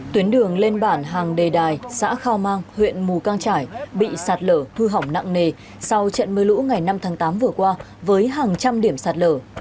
tuyến đường lên bản hàng đề đài xã khao mang huyện mù căng trải bị sạt lở thu hỏng nặng nề sau trận mưa lũ ngày năm tháng tám vừa qua với hàng trăm điểm sạt lở